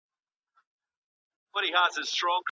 په کور کي پیچکاري لګول سم دي؟